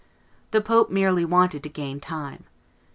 The pope merely wanted to gain time.